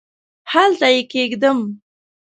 هلته یې کښېږدم ؟؟